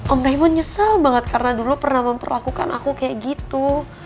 om revo nyesel banget karena dulu pernah memperlakukan aku kayak gitu